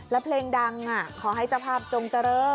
แล้วเพลงดังขอให้เจ้าภาพจงเจริญ